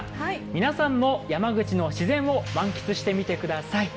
皆さんも山口の自然を満喫してみて下さい。